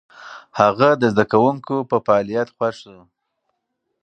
هغه د زده کوونکو په فعاليت خوښ شو.